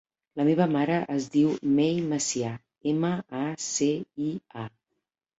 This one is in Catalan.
La meva mare es diu Mei Macia: ema, a, ce, i, a.